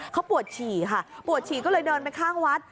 เขาปวดฉี่ค่ะปวดฉี่ก็เลยเดินไปข้างวัด